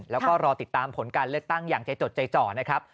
แล้วก็รอติดตามผลการเลือกตั้งอย่างใจจดใจจ่อนะครับ